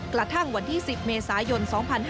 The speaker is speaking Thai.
กระทั่งวันที่๑๐เมษายน๒๕๕๙